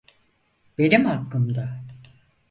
Benim hakkımda.